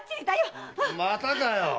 またかよ。